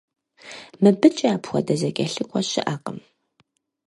Мыбыкӏэ апхуэдэ зэкӀэлъыкӀуэ щыӀэкъым.